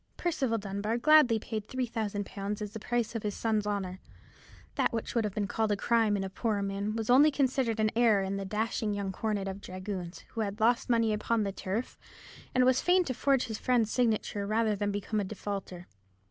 Percival Dunbar gladly paid three thousand pounds as the price of his son's honour. That which would have been called a crime in a poorer man was only considered an error in the dashing young cornet of dragoons, who had lost money upon the turf, and was fain to forge his friend's signature rather than become a defaulter.